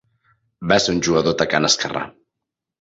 Va ser un jugador atacant esquerrà.